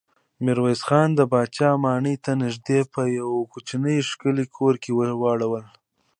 ميرويس خان د پاچا ماڼۍ ته نږدې په يوه کوچيني ښکلي کور کې واړول.